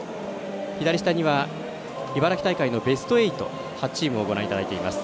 左下には茨城大会のベスト８８チームをご覧いただいています。